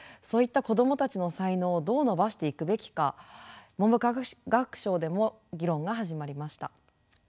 そういった子どもたちの才能をどう伸ばしていくべきか文部科学省でも議論が始まりました。